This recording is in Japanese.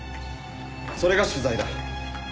それが取材だ。